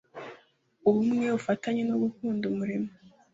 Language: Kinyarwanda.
ubumwe, ubufatanye no gukunda umurimo